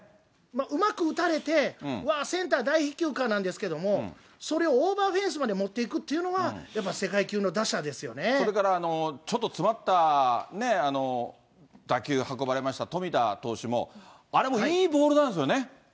うまく打たれて、わー、センター大飛球かなんですけれども、それをオーバーフェンスまで持ってくっていうのは、やっぱ世界級それから、ちょっと詰まった打球、運ばれましたとみた投手も、あれもいいボールなんですよね。